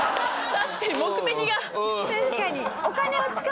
確かに目的が。